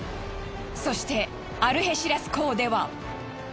そしてアルヘシラス港では。